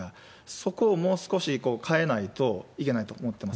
そこをもう少し変えないといけないと思ってます。